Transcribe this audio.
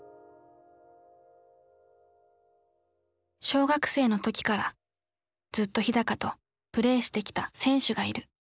小学生の時からずっと日とプレーしてきた選手がいる。